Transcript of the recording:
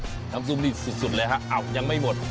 น้ำซุปนี้สุดเลยครับอาบยังไม่หมด